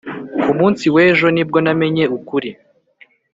ku munsi w'ejo ni bwo namenye ukuri.